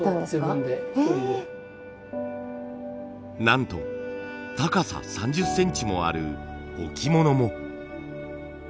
なんと高さ３０センチもある置物も。